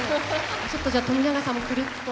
ちょっとじゃあ冨永さんもくるっと。